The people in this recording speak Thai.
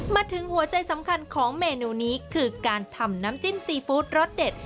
มาถึงหัวใจสำคัญของเมนูนี้คือการทำน้ำจิ้มซีฟู้ดรสเด็ด